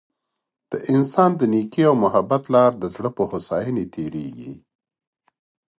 د انسان د نیکۍ او محبت لار د زړه په هوسايۍ تیریږي.